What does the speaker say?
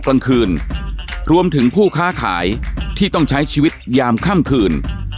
กลางคืนรวมถึงผู้ค้าขายที่ต้องใช้ชีวิตยามค่ำคืน